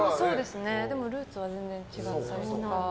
でもルーツは全然違ったりとか。